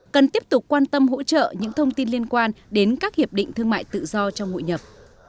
cần tiếp tục quan tâm hỗ trợ những thông tin liên quan đến các hiệp định thương mại tự do trong hội nhập